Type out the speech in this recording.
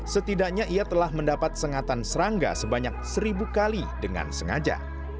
setidaknya ia telah mendapat sengatan serangga sebanyak seribu kali dengan sengaja